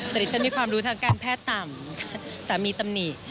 แต่ดิฉันมีความรู้ทางการแพทย์ต่ำสามีตำหนิ